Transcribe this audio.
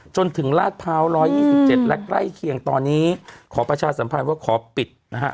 จนถึงลาดพร้าว๑๒๗และใกล้เคียงตอนนี้ขอประชาสัมพันธ์ว่าขอปิดนะฮะ